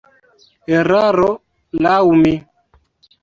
Eraro, laŭ mi.